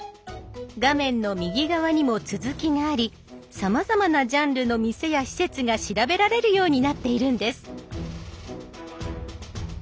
画面の右側にも続きがありさまざまなジャンルの店や施設が調べられるようになっているんです。